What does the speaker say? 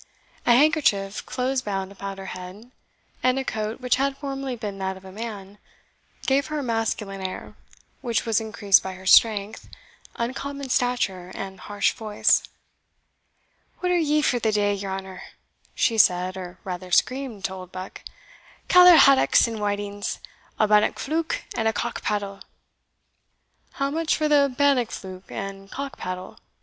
A handkerchief close bound about her head, and a coat which had formerly been that of a man, gave her a masculine air, which was increased by her strength, uncommon stature, and harsh voice. "What are ye for the day, your honour?" she said, or rather screamed, to Oldbuck; "caller haddocks and whitings a bannock fluke and a cock padle." "How much for the bannock fluke and cock padle?"